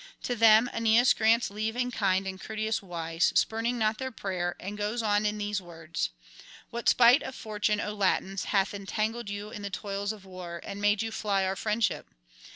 To them Aeneas grants leave in kind and courteous wise, spurning not their prayer, and goes on in these words: 'What spite of fortune, O Latins, hath entangled you in the toils of war, and made you fly our friendship?